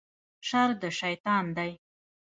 شر د شیطان دی